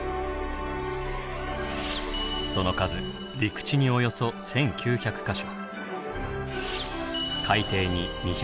その数陸地におよそ１９００か所。